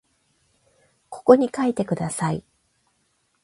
ここに書いてください